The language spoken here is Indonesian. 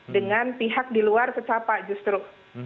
dengan pihak di luar kecapa justru